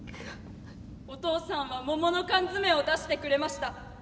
お父さんは桃の缶詰を出してくれました。